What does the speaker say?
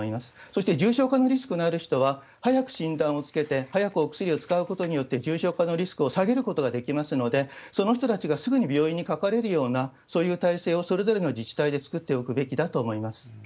そして重症化のリスクのある人は、早く診断をつけて、早くお薬を使うことによって重症化のリスクを下げることができますので、その人たちがすぐに病院にかかれるような、そういう体制をそれぞれの自治体で作っておくべきだと思います。